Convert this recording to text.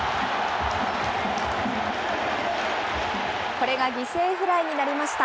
これが犠牲フライになりました。